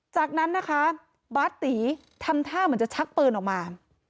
จากนั้นนะคะบาสตีทำท่าเหมือนจะชักปืนออกมา